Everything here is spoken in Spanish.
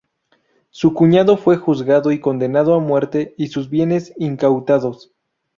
Su cuñado fue juzgado y condenado a muerte y sus bienes incautados.